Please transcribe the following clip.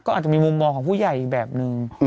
อาจจะมีมุมมองของผู้ใหญ่อีกแบบนึง